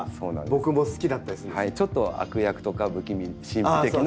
ちょっと悪役とか不気味神秘的な。